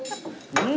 うん！